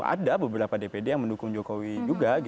ada beberapa dpd yang mendukung jokowi juga